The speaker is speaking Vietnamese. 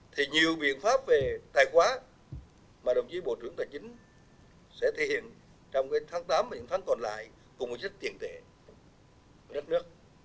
thì nhiều biện pháp về tài khoá mà đồng chí bộ trưởng tài chính sẽ thể hiện trong tháng tám và những tháng còn lại cùng với sách tiền tệ nước nước